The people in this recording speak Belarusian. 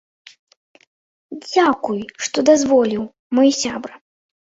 Дзякуй, што дазволіў, мой сябра!